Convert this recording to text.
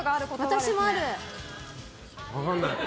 私もある？